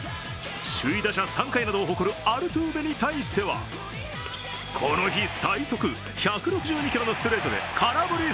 首位打者３回などを誇るアルトゥーベに対してはこの日最速１６２キロのストレートで三振。